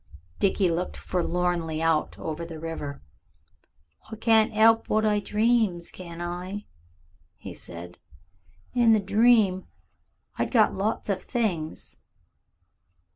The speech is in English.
Dickie looked forlornly out over the river. "I can't 'elp what I dreams, can I?" he said. "In the dream I'd got lots of things.